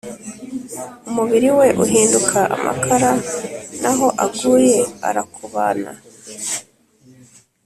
umubili we uhinduka amakara n'aho aguye arakobana